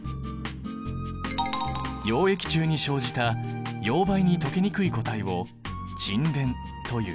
溶液中に生じた溶媒に溶けにくい固体を沈殿という。